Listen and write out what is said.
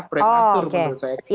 prematur menurut saya